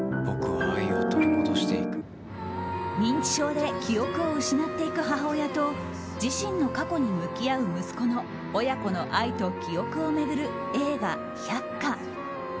認知症で記憶を失っていく母親と自身の過去に向き合う息子の親子の愛と記憶を巡る映画「百花」。